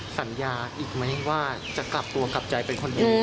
สัญญาอีกไหมว่าจะกลับตัวกลับใจเป็นคนดี